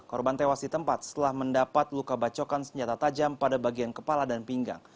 korban tewas di tempat setelah mendapat luka bacokan senjata tajam pada bagian kepala dan pinggang